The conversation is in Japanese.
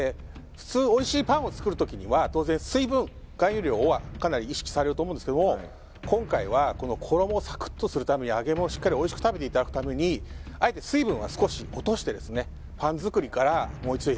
普通おいしいパンを作る時には当然水分含有量はかなり意識されると思うんですけれども今回は衣をサクッとするために揚げ物をおいしく食べていただくためにあえて水分は少し落としてですね